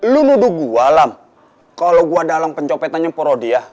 lo nuduh gue alam kalo gue ada alam pencopetannya porodi ya